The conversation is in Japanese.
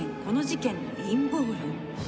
この事件の陰謀論。